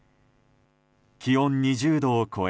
気温２０度を超え